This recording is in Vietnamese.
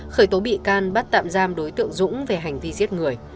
khởi tố bị can bắt tạm giam đối tượng dũng về hành vi giết người